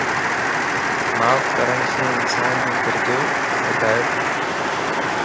معاف ڪرڻ سين انسانَ جا درجا وڌنتا